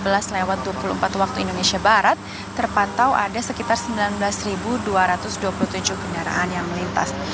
pukul sebelas lewat dua puluh empat waktu indonesia barat terpantau ada sekitar sembilan belas dua ratus dua puluh tujuh kendaraan yang melintas